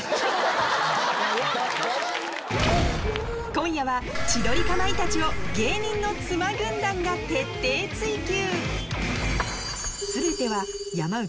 今夜は千鳥かまいたちを芸人の妻軍団が徹底追及！